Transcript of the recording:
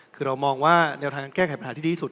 คือเรามองว่าแนวทางการแก้ไขปัญหาที่ดีที่สุด